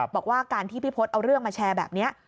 บอกว่าการที่พี่พศเอาเรื่องมาแชร์แบบนี้